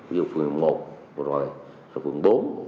ví dụ phường một rồi phường bốn